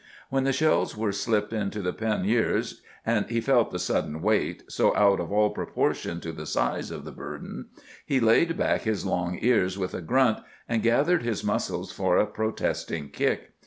When the shells were slipped into the panniers, and he felt the sudden weight, so out of all proportion to the size of the burden, he laid back his long ears with a grunt, and gathered his muscles for a protesting kick.